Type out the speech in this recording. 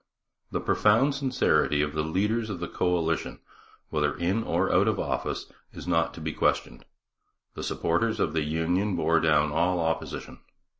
The profound sincerity of the leaders of the coalition, whether in or out of office, is not to be questioned. The supporters of the union bore down all opposition.